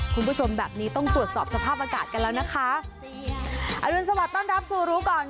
คุณผู้ชมแบบนี้ต้องตรวจสอบสภาพอากาศกันแล้วนะคะอรุณสวัสดิต้อนรับสู่รู้ก่อน